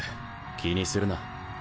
気にするな。